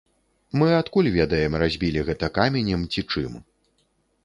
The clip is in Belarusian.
Мы адкуль ведаем, разбілі гэта каменем ці чым?